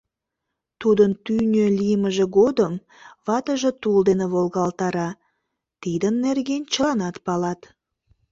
Тудын тӱнӧ лиймыже годым ватыже тул дене волгалтара, — тидын нерген чыланат палат.